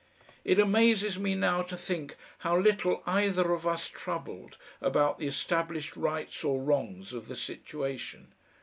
It amazes me now to think how little either of us troubled about the established rights or wrongs of the situation.